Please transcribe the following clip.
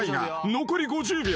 残り４０秒。